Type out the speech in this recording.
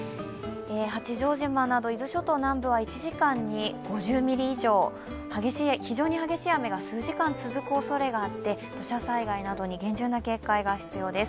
八丈島など、伊豆諸島南部は１時間に５０ミリ以上、非常に激しい雨が数時間続くおそれがあって土砂災害などに厳重な警戒が必要です。